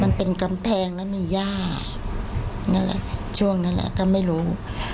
มันเป็นกำแพงแล้วมีหญ้าช่วงนั้นก็ไม่รู้